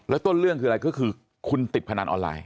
ต้นเรื่องคืออะไรก็คือคุณติดพนันออนไลน